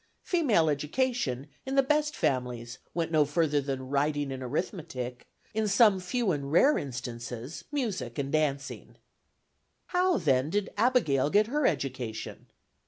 Female education, in the best families, went no further than writing and arithmetic; in some few and rare instances, music and dancing." How, then, did Abigail get her education?